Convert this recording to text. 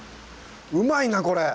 うまいなこれ！